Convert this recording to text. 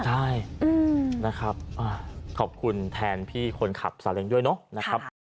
ใช่นะครับขอบคุณแทนพี่คนขับสาเล็งด้วยเนาะนะครับ